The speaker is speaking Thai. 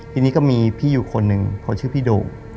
ทีนี้ก็มีพี่อยู่คนหนึ่งเขาชื่อพี่โด่ง